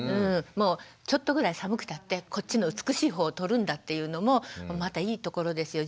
ちょっとぐらい寒くたってこっちの美しい方取るんだっていうのもまたいいところですよ。